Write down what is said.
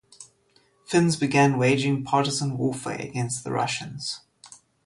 Finns began waging partisan warfare against the Russians.